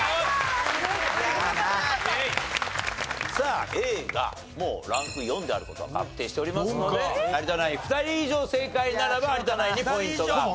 さあＡがランク４である事は確定しておりますので有田ナイン２人以上正解ならば有田ナインにポイントが。